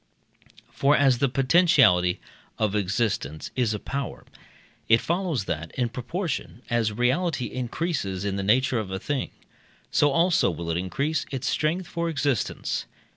For, as the potentiality of existence is a power, it follows that, in proportion as reality increases in the nature of a thing, so also will it increase its strength for existence.